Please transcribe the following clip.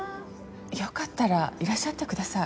よかったらいらっしゃってください。